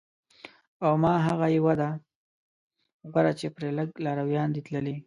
او ما هغه یوه ده غوره چې پرې لږ لارویان دي تللي